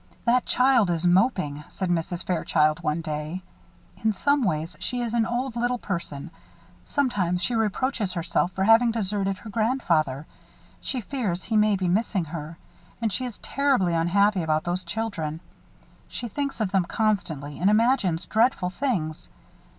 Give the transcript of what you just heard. "That child is moping," said Mrs. Fairchild, one day. "In some ways, she is an old little person. Sometimes she reproaches herself for having deserted her grandfather she fears he may be missing her. And she is terribly unhappy about those children. She thinks of them constantly and imagines dreadful things.